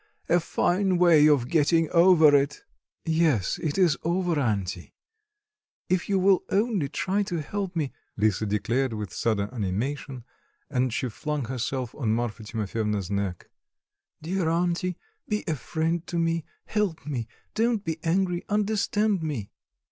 A fine way of getting over it!" "Yes, it is over, auntie, if you will only try to help me," Lisa declared with sudden animation, and she flung herself on Marfa Timofyevna's neck. "Dear auntie, be a friend to me, help me, don't be angry, understand me"...